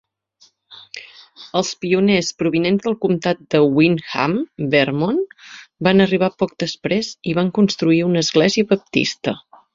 Els pioners provinents del comtat de Windham, Vermont, van arribar poc després i van construir una església baptista.